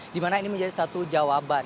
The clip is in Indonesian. dimana ini menjadi satu jawaban